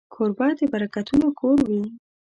کوربه د برکتونو کور وي.